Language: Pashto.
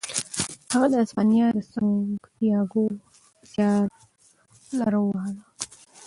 هغه د اسپانیا د سانتیاګو زیارلاره ووهله.